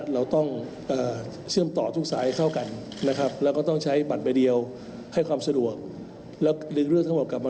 เราต้องเชื่อมต่อทุกสายเข้ากัน